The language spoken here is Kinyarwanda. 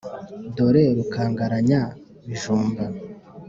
Dore rukangaranya -bijumba.